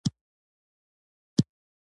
د شاعرانو شعرونه به یې راوړل.